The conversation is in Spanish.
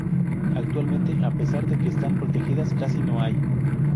Actualmente, a pesar de que están protegidas, casi no hay.